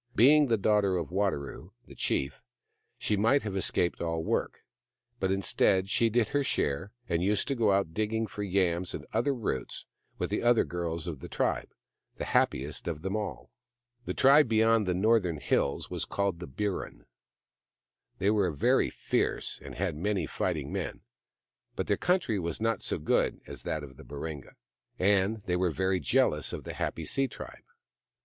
Being the daughter of Wadaro, the chief, she might have escaped all work ; but instead, she did her share, and used to go out digging for yams and other roots with the other girls of the tribe, the happiest of them all. The tribe beyond the northern hills was called the Burrin. They were very fierce and had many fighting men ; but their country was not so good as that of the Baringa, and they were very jealous of the happy sea tribe.